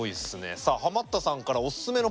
さあハマったさんからおすすめポイント